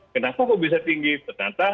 kenapa kok bisa tinggi tertata